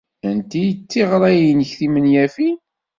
Anti ay d tiɣra-nnek timenyafin?